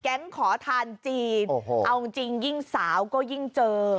ขอทานจีนเอาจริงยิ่งสาวก็ยิ่งเจอ